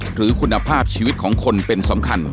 หรือคุณภาพชีวิตของคนเป็นสำคัญ